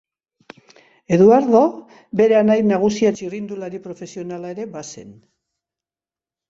Eduardo bere anai nagusia txirrindulari profesionala ere bazen.